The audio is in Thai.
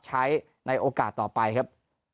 ใช้ในโอกาสต่อไปครับ